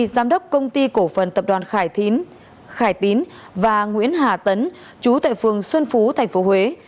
giám đốc công ty cổ phần tập đoàn khải thín khải tín và nguyễn hà tấn chú tại phường xuân phú tp huế